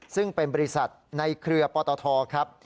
ซึ่งเป็นบริษัทในเครือปตทครับ